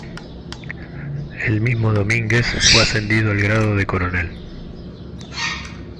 El mismo Domínguez fue ascendido al grado de coronel.